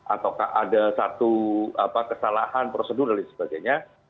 atau ada satu kesalahan prosedur dan lain sebagainya